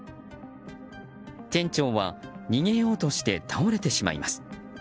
店長は逃げようとして倒れてしまいます。